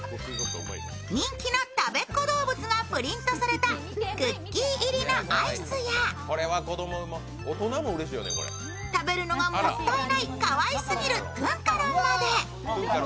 人気のたべっ子どうぶつがプリントされたクッキー入りのアイスや食べるのがもったいない、かわいすぎるトゥンカロンまで。